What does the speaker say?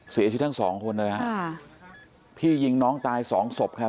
เสียชีวิตทั้งสองคนเลยฮะค่ะพี่ยิงน้องตายสองศพครับ